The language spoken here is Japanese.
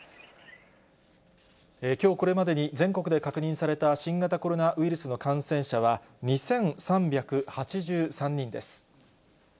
きょう、これまでに全国で確認された新型コロナウイルスの感染者は、２３８３人です。